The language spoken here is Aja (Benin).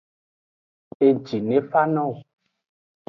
Eji ne fa no wo.